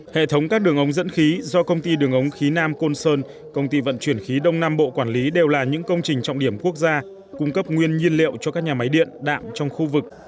hệ thống các đường ống dẫn khí do công ty đường ống khí nam côn sơn công ty vận chuyển khí đông nam bộ quản lý đều là những công trình trọng điểm quốc gia cung cấp nguyên nhiên liệu cho các nhà máy điện đạm trong khu vực